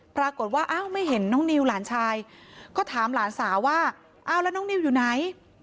ปรากฏว่าอ้าวไม่เห็นน้องนิวหลานชายก็ถามหลานสาวว่าอ้าวแล้วน้องนิวอยู่ไหน